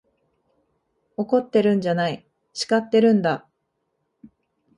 怒ってるんじゃない、叱ってるんだ。